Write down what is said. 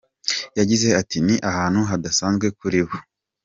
Yagize ati "Ni ahantu hadasanzwe kuri bo.